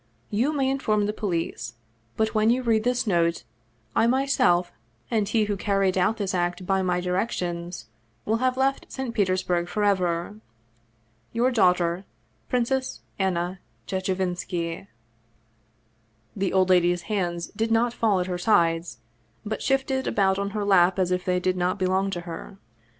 You may inform the police, but when you read this note, I myself and he who carried out this act by my directions, will have left St. Petersburg forever. " Your daughter, " PRINCESS ANNA CHECHEVINSKI." The old lady's hands did not fall at her sides, but shifted about on her lap as if they did not belong to her.